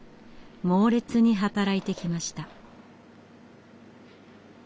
猛烈に働いてきました。